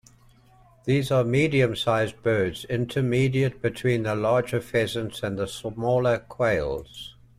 These are medium-sized birds, intermediate between the larger pheasants and the smaller quails.